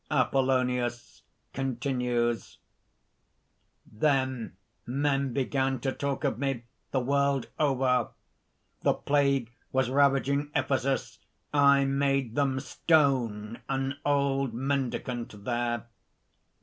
_) APOLLONIUS (continues). "Then men began to talk of me the world over. "The plague was ravaging Ephesus; I made them stone an old mendicant there."